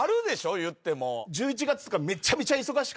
言っても。